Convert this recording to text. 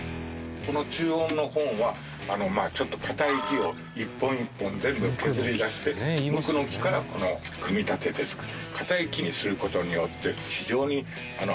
この中央のホーンはちょっと硬い木を一本一本全部削り出してむくの木から組み立てて作る。